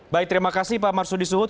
baik terima kasih pak marsudi suhud